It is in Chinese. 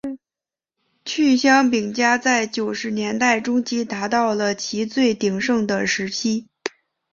趣香饼家在九十年代中期达到了其最鼎盛的时期。